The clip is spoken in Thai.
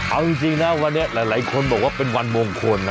เอาจริงนะวันนี้หลายคนบอกว่าเป็นวันมงคลนะ